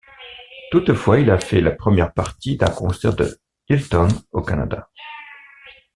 Toutefois il a fait la première partie d'un concert de Hilton au Canada.